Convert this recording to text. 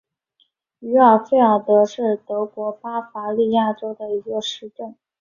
于尔费尔德是德国巴伐利亚州的一个市镇。